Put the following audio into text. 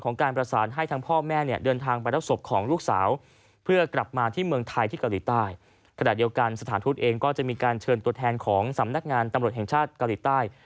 ขณะเดียวกันสถานทุนเองก็จะมีการเชิญตัวแทนของสำนักงานตำรวจแห่งชาติเกาหลีใต้